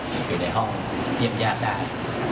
อยู่ในห้องเยี่ยมญาติได้